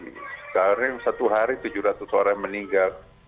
sekarang satu hari tujuh ratus orang meninggal